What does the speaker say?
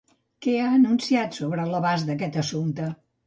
Què ha anunciat sobre l'abast d'aquest assumpte?